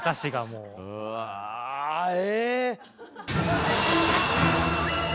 うわぁえ？